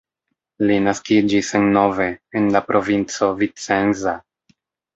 Li naskiĝis en Nove en la provinco Vicenza.